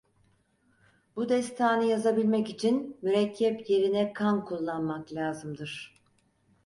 Bu destanı yazabilmek için mürekkep yerine kan kullanmak lazımdır.